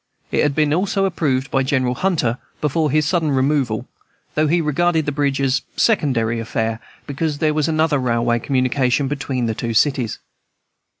It had been also approved by General Hunter, before his sudden removal, though he regarded the bridge as a secondary affair, because there was another railway communication between the two cities.